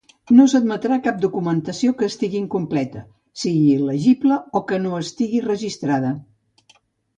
No s'admetrà cap documentació que estigui incompleta, sigui il·legible o que no estigui registrada.